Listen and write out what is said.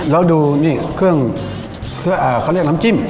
แล้วดูนี่เครื่องเขาเรียกน้ำจิ้ม